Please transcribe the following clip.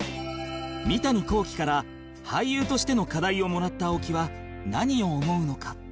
三谷幸喜から俳優としての課題をもらった青木は何を思うのか？